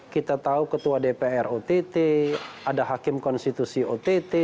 kita tahu ketua dpr ott ada hakim konstitusi ott